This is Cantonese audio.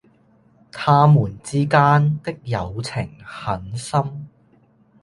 他們之間的友情很深。